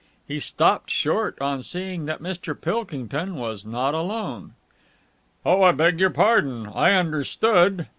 He stopped short on seeing that Mr. Pilkington was not alone. "Oh, I beg your pardon! I understood...."